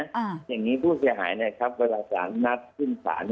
อย่างนี้ผู้เสียหายเนี่ยครับเวลาสารนัดขึ้นศาล